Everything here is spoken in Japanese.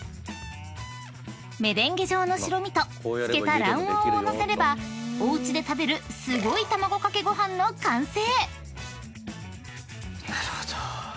［メレンゲ状の白身と漬けた卵黄を載せればおうちで食べるすごい卵かけご飯の完成！］